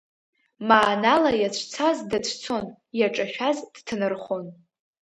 Маанала иацәцаз дацәцон, иаҿашәаз дҭанархон.